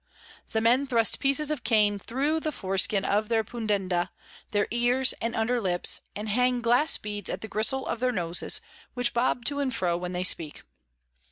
The Men thrust pieces of Cane thro the Foreskin of their Pudenda, their Ears and Under Lips, and hang Glass Beads at the Gristle of their Noses, which bob to and fro when they speak.